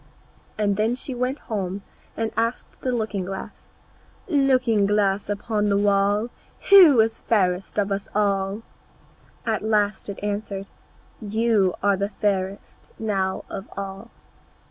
And when she went home and asked the looking glass, "Looking glass against the wall, Who is fairest of us all?" at last it answered, "You are the fairest now of all."